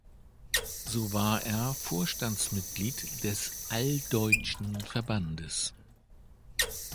So war er Vorstandsmitglied des Alldeutschen Verbandes.